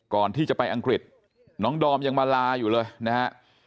ก่อนที่จะไปอังกฤษน้องดอมยังมาลาอยู่เลยนะฮะ